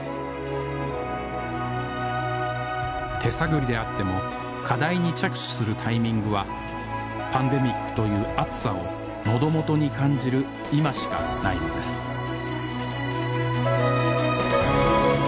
手探りであっても課題に着手するタイミングはパンデミックという熱さをのど元に感じる今しかないのですああもう！